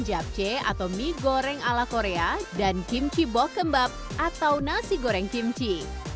japchae atau mie goreng ala korea dan kimchi bokkeumbap atau nasi goreng kimchi